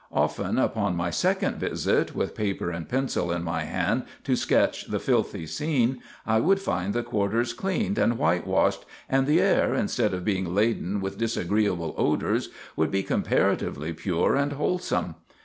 Often upon my second visit, with paper and pencil in my hand to sketch the filthy scene, I would find the quarters cleaned and whitewashed, and the air, instead of being laden with disagreeable odors, would be comparatively pure and wholesome.